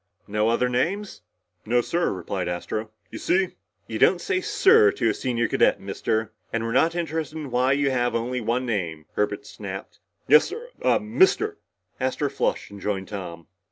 "No other names?" "No, sir," replied Astro. "You see " "You don't say 'sir' to a senior cadet, Mister. And we're not interested in why you have only one name!" Herbert snapped. "Yes, sir uhh Mister." Astro flushed and joined Tom.